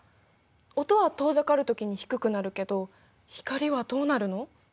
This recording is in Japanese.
音は遠ざかるときに低くなるけど光はどうなるの？